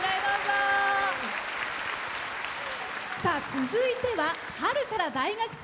続いては、春から大学生。